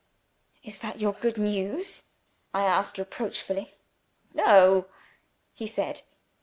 "Is that your good news?" I asked reproachfully. "No," he said.